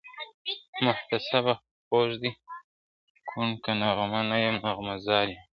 محتسبه غوږ دي کوڼ که نغمه نه یم نغمه زار یم ..